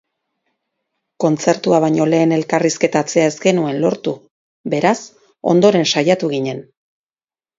Kontzertua baino lehen elkarrizketatzea ez genuen lortu, beraz, ondoren saiatu ginen.